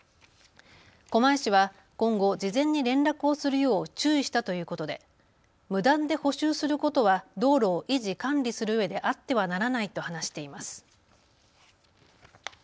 狛江市は今後、事前に連絡をするよう注意したということで無断で補修することは道路を維持・管理するうえであってはならないと話しています。